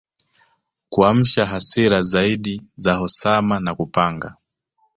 kuamsha hasira zaidi za Osama na kupanga